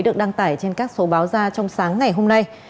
được đăng tải trên các số báo ra trong sáng ngày hôm nay